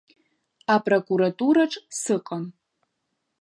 Апрокуратураҿ сыҟан.